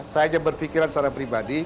saya aja berpikiran secara pribadi